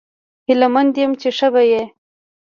هیله مند یم چې ښه به یې